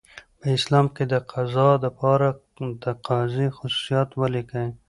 په اسلام کي دقضاء د پاره دقاضي خصوصیات ولیکئ؟